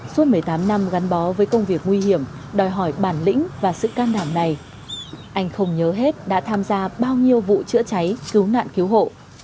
suốt một mươi tám năm gắn bó với công việc nguy hiểm đòi hỏi bản lĩnh và sự can đảm này anh không nhớ hết đã tham gia bao nhiêu vụ chữa cháy cứu nạn cứu hộ